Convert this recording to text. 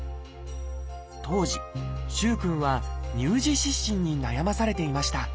当時萩くんは「乳児湿疹」に悩まされていました。